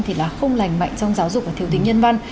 thì là không lành mạnh trong giáo dục và thiếu tính nhân văn